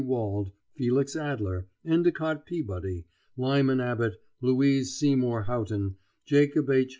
Wald, Felix Adler, Endicott Peabody, Lyman Abbott, Louise Seymour Houghton, Jacob H.